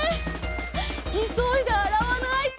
いそいであらわないと！